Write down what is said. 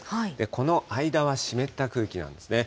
この間は湿った空気なんですね。